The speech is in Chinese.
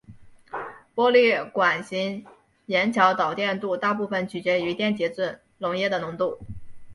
玻璃管型盐桥导电度大部分取决于电解质溶液的浓度。